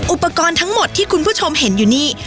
อุปกรณ์ทั้งหมดที่คุณผู้ชมเห็นอยู่นี่